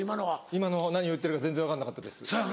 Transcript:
今の何言ってるか全然分からなかったです。